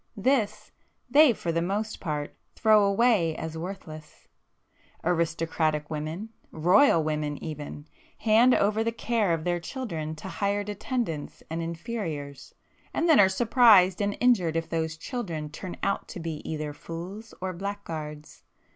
This, they for the most part, throw away as worthless. Aristocratic women, royal women even, hand over the care of their children to hired attendants and inferiors, and then are surprised and injured if those children turn out to be either fools or blackguards.